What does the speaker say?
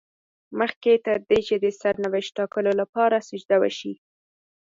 مخکې تر دې چې د سرنوشت ټاکلو لپاره سجده وشي.